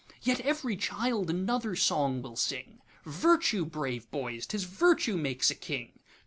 Yet ev'ry child another song will sing,'Virtue, brave boys! 't is Virtue makes a King.